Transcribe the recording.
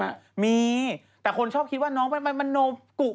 ก็ไม่นานคุณแม่น้องผู้หญิงเขาก็ดี